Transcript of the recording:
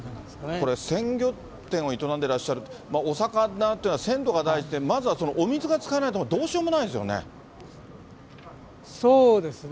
これ、鮮魚店を営んでらっしゃる、お魚というのは鮮度が大事で、まずはお水が使えないと、どうしようもないですよね。